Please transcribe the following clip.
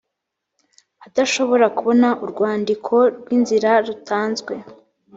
adashobora kubona urwandiko rw inzira rutanzwe